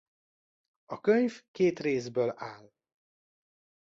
A könyv két részből áll.